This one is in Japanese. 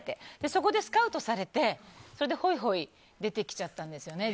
そこでスカウトされてそれでホイホイ出てきちゃったんですよね。